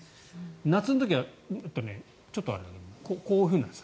夏の時は、こういうふうなんです